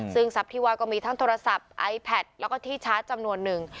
ซึ่งทรัพย์ที่ว่าก็มีทั้งโทรศัพท์ไอแพทแล้วก็ที่ชาร์จจำนวนหนึ่ง